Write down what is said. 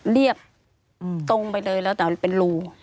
เรียบตรงไปเลยแล้วแต่มันเป็นรู